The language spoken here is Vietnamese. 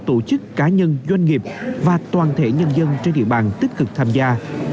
tổ chức cá nhân doanh nghiệp và toàn thể nhân dân trên địa bàn tích cực tham gia